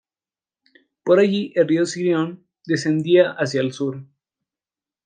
Por allí el río Sirion descendía hacia el sur.